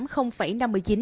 ubcoem index giảm chín